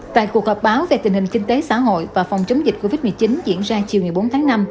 tại cuộc họp báo về tình hình kinh tế xã hội và phòng chống dịch covid một mươi chín diễn ra chiều ngày bốn tháng năm